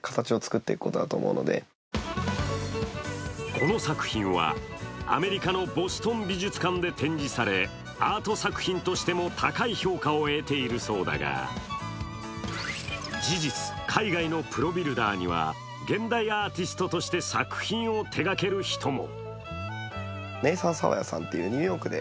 この作品は、アメリカのボストン美術館で展示されアート作品としても高い評価を得ているそうだが事実、海外のプロビルダーには現代アーティストとして作品を手がける人も。